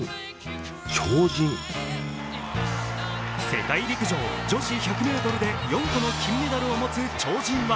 世界陸上女子１００ｍで４個の金メダルを持つ超人は